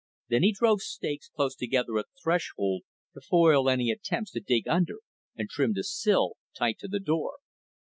Then he drove stakes close together at the threshold, to foil any attempts to dig under, and trimmed a sill tight to the door.